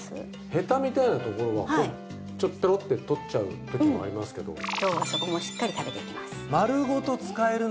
ヘタみたいなところはペロッて取っちゃうときもありますけど今日はそこもしっかり食べていきます